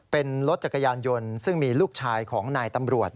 เป็นรถจักรยานยนต์ซึ่งมีลูกชายของนายตำรวจ